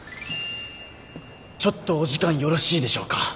ちょっとお時間よろしいでしょうか？